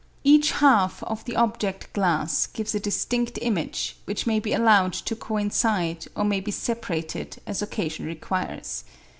Each half of the object glass gives a distinct image, which may be allowed to coincide or may be separated as occasion requires.